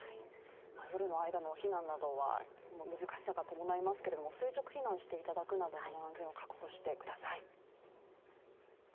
夜の間の避難などは難しさが伴いますけれども垂直避難していただくなど安全を確保してください。